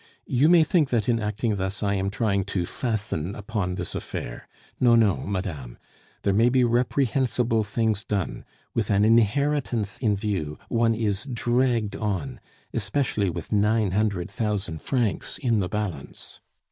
You may think that in acting thus I am trying to fasten upon this affair no, no, madame; there may be reprehensible things done; with an inheritance in view one is dragged on... especially with nine hundred thousand francs in the balance.